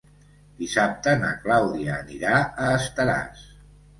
Dissabte na Clàudia anirà a Estaràs.